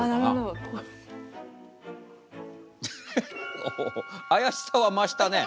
おお怪しさは増したね。